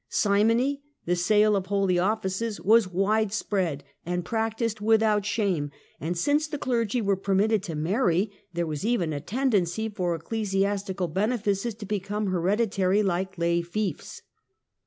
Simony, the sale of holy offices, was widely spread, and practised without shame, and since the clergy were per mitted to marry, there was even a tendency for ecclesi astical benefices to become hereditary, like lay fiefs.